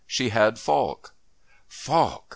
She had Falk. Falk!